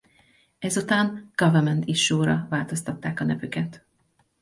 Ezután Government Issue-ra változtatták a nevüket.